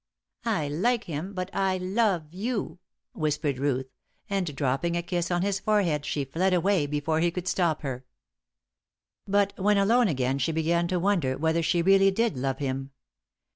"I like him, but I love you!" whispered Ruth, and dropping a kiss on his forehead she fled away before he could stop her. But when alone again she began to wonder whether she really did love him.